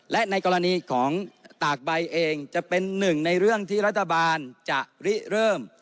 และในกรณีของตากใบเองจะเป็นหนึ่งในเรื่องที่รัฐบาลจะริเริ่ม